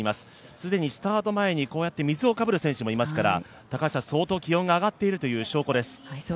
既にスタート前に、水をかぶる選手もいますから、相当気温が上がっているという証拠です。